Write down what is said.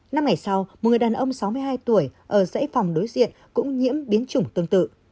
năm ngày sau một người đàn ông sáu mươi hai tuổi ở dãy phòng đối diện cũng nhiễm biến chủng tương tự